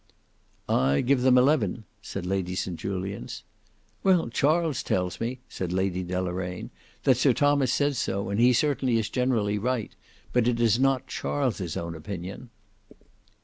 "I give them eleven," said Lady St Julians. "Well, Charles tells me," said Lady Deloraine, "that Sir Thomas says so, and he certainly is generally right; but it is not Charles' own opinion."